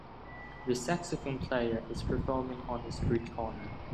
The saxophone player is performing on the street corner.